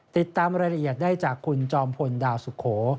ติดตามรายละเอียดได้จากคุณจอมพลดาวสุโข